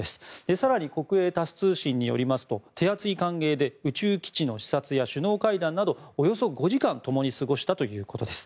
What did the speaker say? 更に国営タス通信によりますと手厚い歓迎で宇宙基地の視察や首脳会談などおよそ５時間ともに過ごしたということです。